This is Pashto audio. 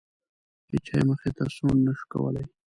هیچا یې مخې ته سوڼ نه شو کولی.